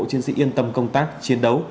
chiến sĩ yên tâm công tác chiến đấu